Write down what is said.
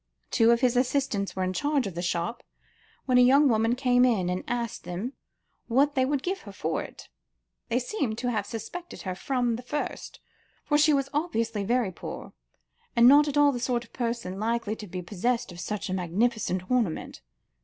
Two of his assistants were in charge of the shop, when a young woman came in, and asked them what they would give her for it. They seem to have suspected her from the first, for she was obviously very poor, and not at all the sort of person likely to be possessed of such a magnificent ornament.